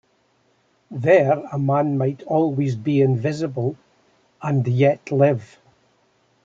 There a man might always be invisible — and yet live.